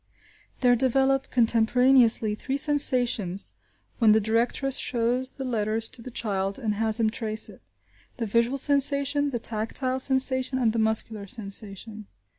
There develop, contemporaneously, three sensations when the directress shows the letter to the child and has him trace it; the visual sensation, the tactile sensation, and the muscular sensation.